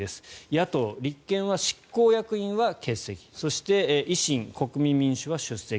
野党立憲は執行役員は欠席そして、維新、国民民主は出席。